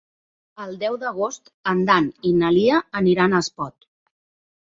El deu d'agost en Dan i na Lia aniran a Espot.